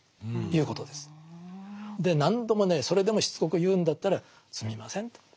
で何度もねそれでもしつこく言うんだったらすみませんと。